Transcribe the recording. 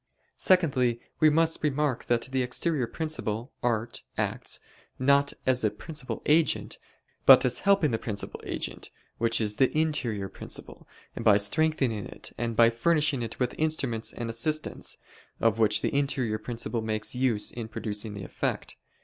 Secondly, we must remark that the exterior principle, art, acts, not as principal agent, but as helping the principal agent, but as helping the principal agent, which is the interior principle, by strengthening it, and by furnishing it with instruments and assistance, of which the interior principle makes use in producing the effect.